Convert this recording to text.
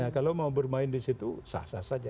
kalau mau bermain di situ sah sah saja